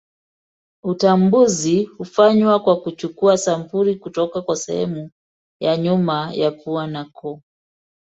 Utambuzi hufanywa kwa kuchukua sampuli kutoka kwa sehemu ya nyuma ya pua na koo.